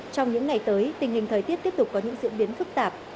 trong những ngày tới tình hình thời tiết tiếp tục có những diễn biến phức tạp